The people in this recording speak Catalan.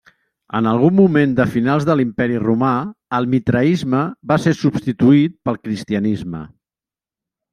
En algun moment de finals de l'Imperi Romà, el mitraisme va ser substituït pel cristianisme.